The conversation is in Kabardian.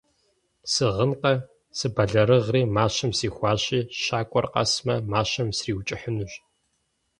- Сыгъынкъэ: сыбэлэрыгъри мащэм сихуащи, щакӏуэр къэсмэ, мащэм сриукӏыхьынущ.